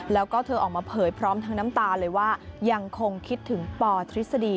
แล้วก็เธอออกมาเผยพร้อมทั้งน้ำตาเลยว่ายังคงคิดถึงปทฤษฎี